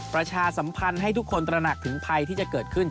ประชาสัมพันธ์ให้ทุกคนตระหนักถึงภัยที่จะเกิดขึ้น